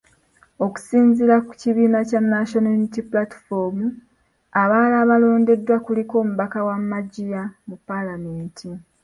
Okusinziira ku kibiina kya National Unity Platform, abalala abalondeddwa kuliko omubaka wa Manjiya mu palamenti .